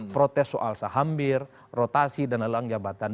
protes soal saham bir rotasi dan lelang jabatan